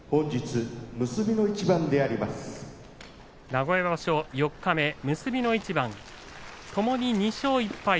名古屋場所四日目結びの一番ともに２勝１敗